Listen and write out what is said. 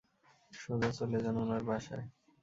সোজা চলে যান উনার বাসায়।